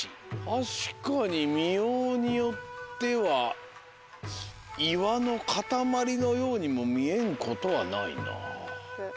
たしかにみようによってはいわのかたまりのようにもみえんことはないな。